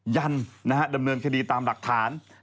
ยันดำเนินคดีตามหลักฐาน